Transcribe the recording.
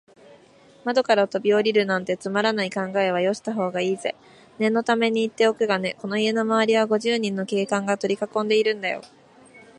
窓からとびおりるなんて、つまらない考えはよしたほうがいいぜ。念のためにいっておくがね、この家のまわりは、五十人の警官がとりかこんでいるんだよ。